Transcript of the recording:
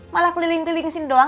malah keliling keliling sini doang